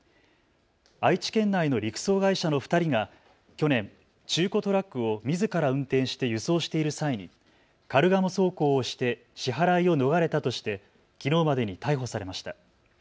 愛知県内の陸送会社の２人が去年、中古トラックをみずから運転して輸送している際にカルガモ走行をして支払いを逃れたとしてきのうまでに逮捕されました。